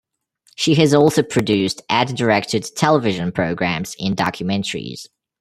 She has also produced ad directed television programs and documentaries.